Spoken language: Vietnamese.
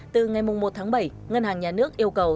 từ ngày một tháng bảy ngân hàng nhà nước yêu cầu